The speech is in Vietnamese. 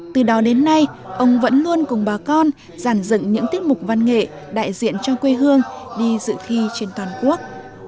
từ đó đến nay ông vẫn luôn cùng bà con giàn dựng những tiết mục văn nghệ đại diện cho quê hương đi dự thi trên toàn quốc